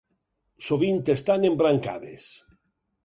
Sovint estan embrancades.